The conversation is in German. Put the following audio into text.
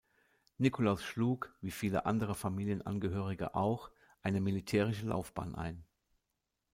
Nikolaus schlug, wie viele andere Familienangehörige auch, eine militärische Laufbahn ein.